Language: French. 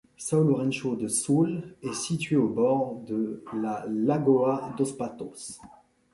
São Lourenço do Sul est située au bord de la Lagoa dos Patos.